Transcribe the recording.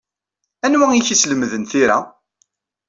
Anwa ay ak-yeslemden tira?